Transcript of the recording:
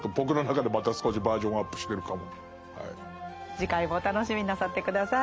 次回も楽しみになさって下さい。